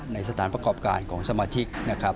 ในสถานประกอบการของสมาชิก